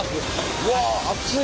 うわ熱い！